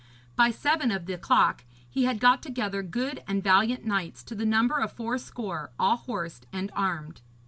By seven of the clock he had got together good and valiant knights to the number of fourscore, all horsed and armed.